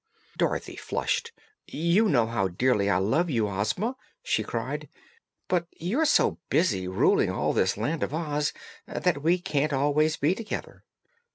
Dorothy flushed. "You know how dearly I love you, Ozma!" she cried. "But you're so busy ruling all this Land of Oz that we can't always be together."